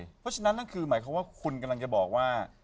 เพราะฉะนั้นนั่นคือหมายความว่าคุณกำลังจะบอกว่า